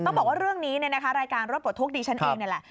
ต้องบอกว่าเรื่องนี้เนี่ยนะคะรายการรถปลดทุกข์ดิฉันเองนี่แหละ